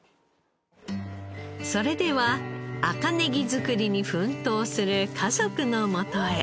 それでは赤ネギ作りに奮闘する家族のもとへ。